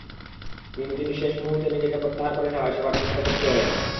কিন্তু তিনি শেষ মুহূর্তে নিজেকে প্রত্যাহার করে নেওয়ায় সেবার তিস্তা চুক্তি হয়নি।